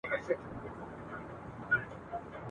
په سوونو ټاکل سوي مينځي پالل کېدلې